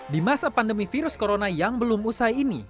di masa pandemi virus corona yang belum usai ini